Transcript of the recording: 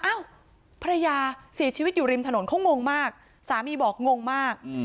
อ้าวภรรยาเสียชีวิตอยู่ริมถนนเขางงมากสามีบอกงงมาก